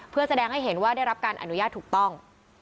เพื่อแสดงให้เห็นว่าได้รับการอนุญาตถูกต้อง